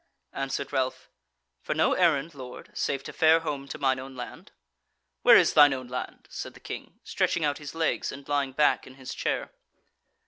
Answered Ralph: "For no errand, lord, save to fare home to mine own land." "Where is thine own land?" said the King, stretching out his legs and lying back in his chair.